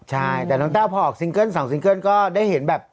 ใช่แต่น้องแต้วพอออกซิงเกิ้ล๒ซิงเกิ้ลก็ได้เห็นแบบ